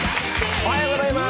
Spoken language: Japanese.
おはようございます。